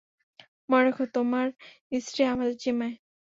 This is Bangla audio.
মনে রেখ, তোমার স্ত্রী আমাদের জিম্মায়।